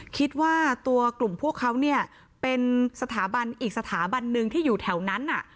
คิดว่าตัวกลุ่มพวกเขาเนี่ยเป็นสถาบันอีกสถาบันหนึ่งที่อยู่แถวนั้น